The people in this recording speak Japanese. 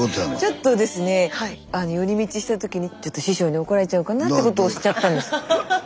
ちょっとですね寄り道した時にちょっと師匠に怒られちゃうかなってことをしちゃったんです。